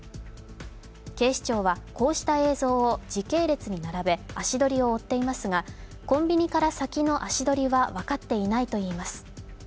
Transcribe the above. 警視庁はこうした映像を時系列に並べ、足取りを追っていますがコンビニから先の足取りは分かっていないといいます。